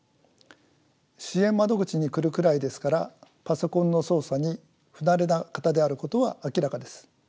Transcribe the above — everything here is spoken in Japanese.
支援窓口に来るくらいですからパソコンの操作に不慣れな方であることは明らかです。